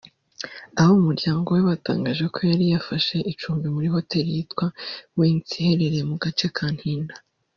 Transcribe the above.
Abo mu muryango we batangaje ko yari yafashe icumbi muri Hotel yitwa Winks iherereye mu gace ka Ntinda